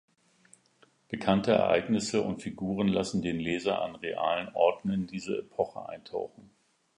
Bekannte Ereignisse und Figuren lassen den Leser an realen Orten in diese Epoche eintauchen.